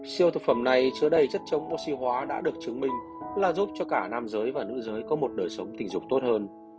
siêu thực phẩm này chứa đầy chất chống oxy hóa đã được chứng minh là giúp cho cả nam giới và nữ giới có một đời sống tình dục tốt hơn